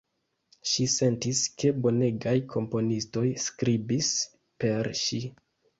Ŝi sentis, ke bonegaj komponistoj skribis per ŝi.